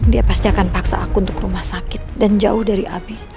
dia pasti akan paksa aku untuk ke rumah sakit dan jauh dari api